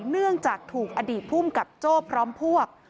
เนื่องจากถูกอดีตภูมิกับโจ้พร้อมพวก